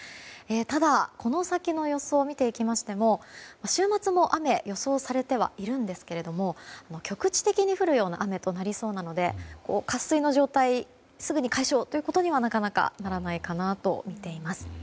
ただ、この先の予想を見ていきましても週末も雨が予想されてはいるんですが局地的に降るような雨となりそうなので渇水の状態、すぐに解消ということにはなかなか、ならないかなと思っています。